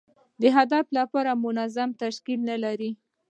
د هدف لپاره منظم تشکیل نه لري.